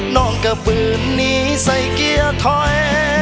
น้องก็ฝืนหนีใส่เกียร์ถอย